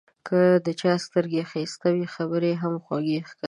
که د چا سترګې ښایسته وي، خبرې یې هم خوږې ښکاري.